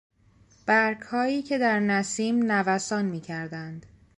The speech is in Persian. برگهایی که در نسیم نوسان میکردند.